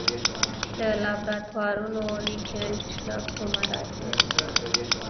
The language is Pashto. د لابراتوارونو ریجنټ له کومه راځي؟